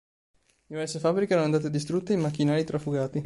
Diverse fabbriche erano andate distrutte e i macchinari trafugati.